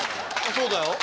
そうだよ。